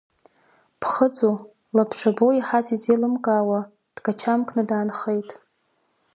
Ԥхыӡу, лабҿабоу иаҳаз изеилымкаауа, дгачамкны даанхеит.